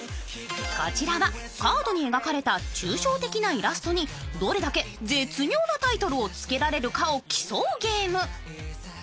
こちらはカードに描かれた抽象的なイラストにどれだけ絶妙なタイトルをつけられるか競うゲーム。